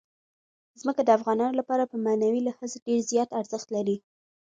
ځمکه د افغانانو لپاره په معنوي لحاظ ډېر زیات ارزښت لري.